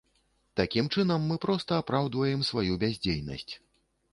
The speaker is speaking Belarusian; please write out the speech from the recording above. Такім чынам, мы проста апраўдваем сваю бяздзейнасць.